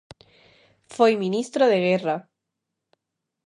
Foi ministro de Guerra.